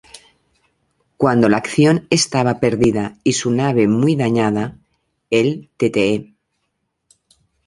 Cuando la acción estaba perdida y su nave muy dañada el Tte.